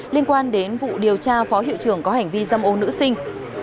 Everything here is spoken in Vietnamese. liên quan đến vụ điều tra phó hiệu trưởng có hành vi dâm ô nữ sinh